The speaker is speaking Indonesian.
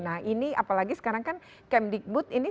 nah ini apalagi sekarang kan camp digbud ini